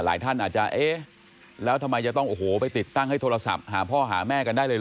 ท่านอาจจะเอ๊ะแล้วทำไมจะต้องโอ้โหไปติดตั้งให้โทรศัพท์หาพ่อหาแม่กันได้เลยเห